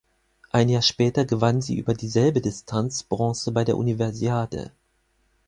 Ein Jahr später gewann sie über dieselbe Distanz Bronze bei der Universiade.